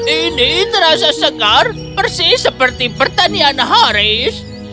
ini terasa segar persis seperti pertanian haris